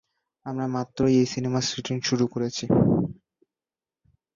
আমরা মাত্রই এই সিনেমার শুটিং শুরু করেছি।